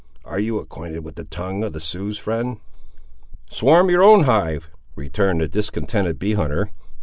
—Are you acquainted with the tongue of the Siouxes, friend?" "Swarm your own hive," returned the discontented bee hunter.